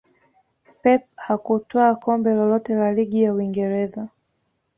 pep hakutwaa kombe lolote la ligi ya uingereza